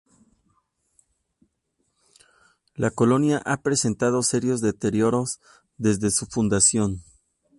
La colonia ha presentado serios deterioros desde su fundación.